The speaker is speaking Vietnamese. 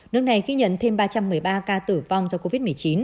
nước này ghi nhận thêm ba trăm một mươi ba ca tử vong do covid một mươi chín